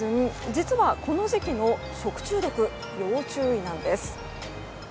実は、この時期の食中毒に要注意なんです。